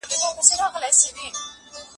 او په یاد مو وو ساړه